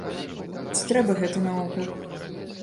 Ці трэба гэта наогул?